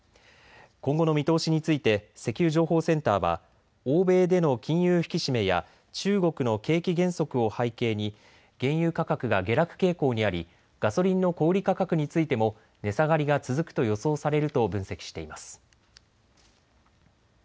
今後の見通しについて石油情報センターは、欧米での金融引き締めや、中国の景気減速を背景に原油価格が下落傾向にあり、ガソリンの小売価格についても値下がりが続くと予想されると分析しています。